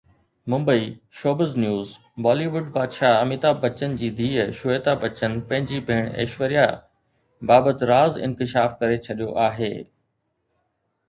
ممبئي (شوبز نيوز) Bollywood بادشاهه اميتاڀ بچن جي ڌيءَ شويتا بچن پنهنجي ڀيڻ ايشوريا بابت راز انڪشاف ڪري ڇڏيو آهي.